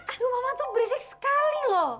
aduh mama tuh berisik sekali loh